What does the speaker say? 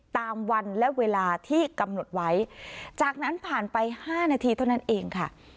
ตามวันและเวลาที่กำหนดไว้จากนั้นผ่านไปห้านาทีเท่านั้นเองค่ะ